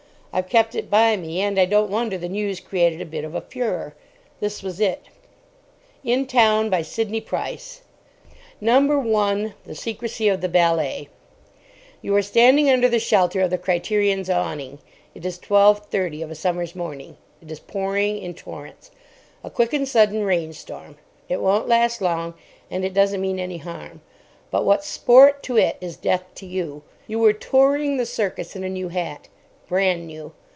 I've kept it by me, and I don't wonder the news created a bit of a furore. This was it:—— IN TOWN BY SIDNEY PRICE No. I.—THE SECRECY OF THE BALLET (You are standing under the shelter of the Criterion's awning. It is 12.30 of a summer's morning. It is pouring in torrents. A quick and sudden rain storm. It won't last long, and it doesn't mean any harm. But what's sport to it is death to you. You were touring the Circus in a new hat. Brand new.